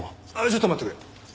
ちょっと待ってくれ。